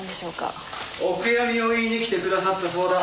お悔やみを言いに来てくださったそうだ。